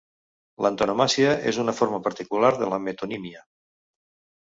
L'antonomàsia és una forma particular de la metonímia.